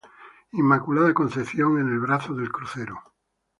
Inmaculada Concepción en el brazo del crucero.